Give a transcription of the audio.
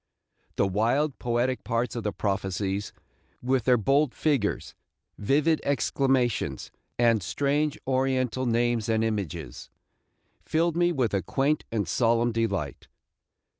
The wild, poetic parts of the prophecies, with their bold figures, vivid exclamations, and strange Oriental names and images, filled me with a quaint and solemn delight.